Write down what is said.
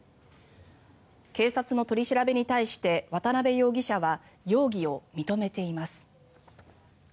警察の取り調べに対して渡邉容疑者は容疑を認めています。